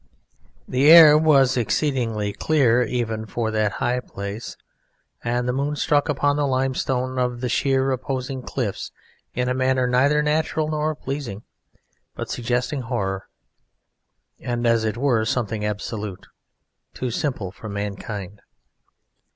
The air was exceedingly clear even for that high place, and the moon struck upon the limestone of the sheer opposing cliffs in a manner neither natural nor pleasing, but suggesting horror, and, as it were, something absolute, too simple for mankind.